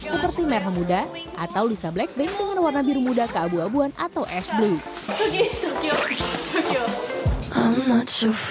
seperti merah muda atau lisa blackpink dengan warna biru muda keabu abuan atau es blue